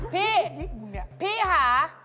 พี่พี่ค่ะ